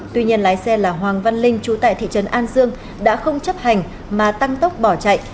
tuy nhiên lái xe là hoàng văn linh chú tại thị trấn an dương đã không chấp hành mà tăng tốc bỏ chạy